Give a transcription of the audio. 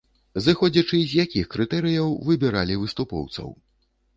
Зыходзячы з якіх крытэрыяў выбіралі выступоўцаў?